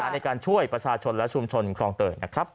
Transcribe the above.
ในการช่วยประชาชนและชุมชนครองเตยนะครับ